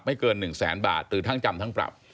เกิน๑แสนบาทหรือทั้งจำทั้งปรับ